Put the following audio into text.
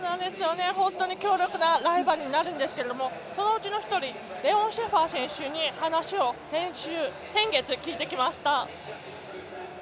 強力なライバルになるんですけどそのうちの１人レオン・シェファー選手に話を先月、聞いてきました。